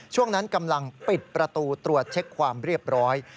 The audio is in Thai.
ช่วงนั้นกำลังปิดประตูตรวจเช็คความเรียบร้อย